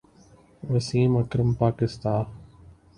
Wasim Akram Pakistan